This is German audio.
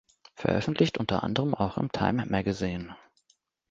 Veröffentlicht unter anderem auch im "Time magazine".